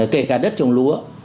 kể cả đất trồng lúa